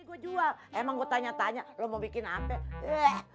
gue jual emang gue tanya tanya lo mau bikin ape eh